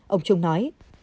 ông trung nói